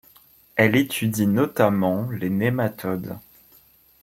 Elle étudie notamment les nématodes.